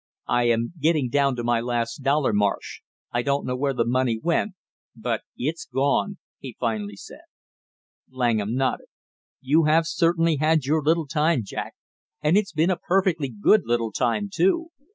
"I am getting down to my last dollar, Marsh. I don't know where the money went, but it's gone," he finally said. Langham nodded. "You have certainly had your little time, Jack, and it's been a perfectly good little time, too!